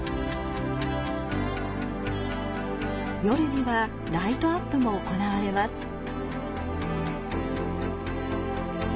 夜にはライトアップも行われます。